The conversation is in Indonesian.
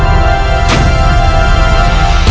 saya harus datang ke sana